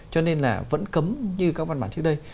cho nên là vẫn cấm như các văn bản trước đây